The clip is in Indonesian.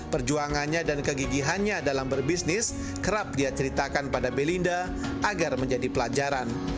perjuangannya dan kegigihannya dalam berbisnis kerap dia ceritakan pada belinda agar menjadi pelajaran